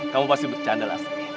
kamu pasti bercanda lasri